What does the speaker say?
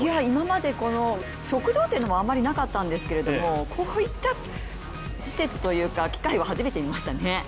今まで、食堂っていうのもあまりなかったんですけどこういった施設というか機械は初めて見ましたね。